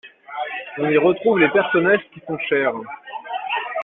On y retrouve les personnages qui sont chers.